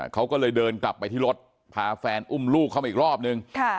เขาก็เลยเดินกลับไปที่รถพาแฟนอุ้มลูกเข้ามาอีกรอบนึง